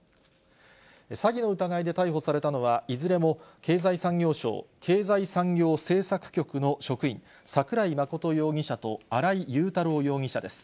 詐欺の疑いで逮捕されたのは、いずれも経済産業省経済産業政策局の職員、桜井真容疑者と新井雄太郎容疑者です。